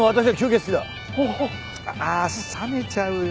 ああっ冷めちゃうよ